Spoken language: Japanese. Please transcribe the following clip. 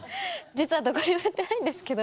実はどこにも言ってないんですけど。